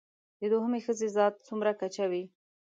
د دوهمې ښځې ذات څومره کچه وي